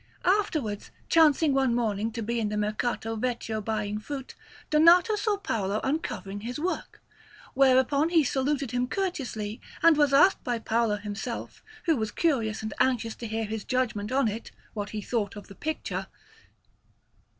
Afterwards, chancing one morning to be in the Mercato Vecchio buying fruit, Donato saw Paolo uncovering his work, whereupon he saluted him courteously, and was asked by Paolo himself, who was curious and anxious to hear his judgment on it, what he thought of that picture.